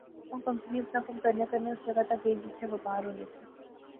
او کمپنی اپنا کم کرنیاں کرنیاں اس جاغا تک گئی جتھیں کیدے و پار ہونے سے